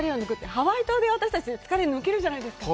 ハワイ島で私たち、疲れ、抜けるじゃないですか。